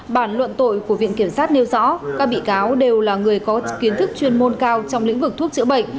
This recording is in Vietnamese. bản luận tội của viện kiểm sát nêu rõ các bị cáo đều là người có kiến thức chuyên môn cao trong lĩnh vực thuốc chữa bệnh